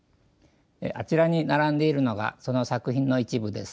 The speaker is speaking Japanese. あちらに並んでいるのがその作品の一部です。